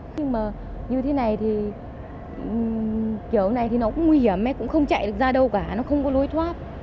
nhưng mà như thế này thì kiểu này thì nó cũng nguy hiểm ấy cũng không chạy được ra đâu cả nó không có lối thoát